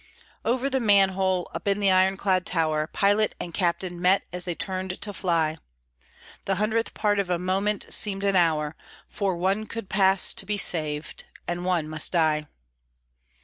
Over the manhole, up in the ironclad tower, Pilot and captain met as they turned to fly: The hundredth part of a moment seemed an hour, For one could pass to be saved, and one must die.